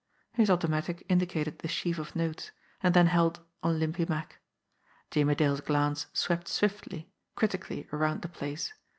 His automatic indicated the sheaf of notes, and then held on Limpy Mack. Jimmie Dale's glance swept swiftly, crit ically around the place.